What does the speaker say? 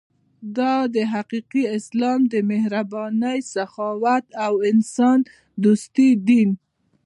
دا دی حقیقي اسلام د مهربانۍ، سخاوت او انسان دوستۍ دین.